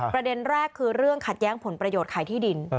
ประเด็นแรกคือเรื่องขัดแย้งผลประโยชน์ขายที่ดิน